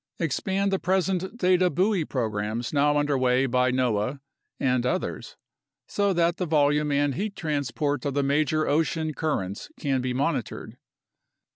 Expand the present data buoy programs now under way by noaa and others, so that the volume and heat transport of the major ocean cur rents can be monitored.